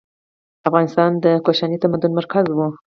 افغانستان د کوشاني تمدن مرکز و.